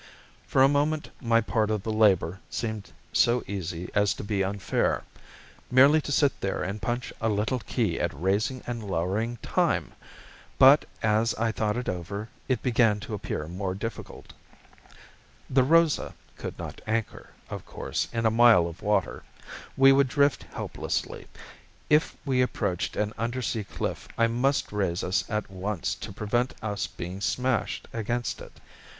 For a moment my part of the labor seemed so easy as to be unfair. Merely to sit there and punch a little key at raising and lowering time! But as I thought it over it began to appear more difficult. The Rosa could not anchor, of course, in a mile of water. We would drift helplessly. If we approached an undersea cliff I must raise us at once to prevent us being smashed against it.